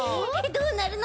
どうなるの？